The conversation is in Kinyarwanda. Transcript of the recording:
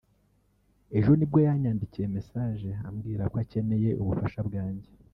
Ejo nibwo yanyandikiye message ambwira ko akeneye ubufasha bwanjye